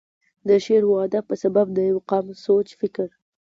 دَ شعر و ادب پۀ سبب دَ يو قام سوچ فکر،